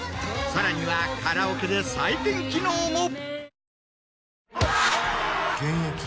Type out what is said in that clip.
さらにはカラオケで採点機能も。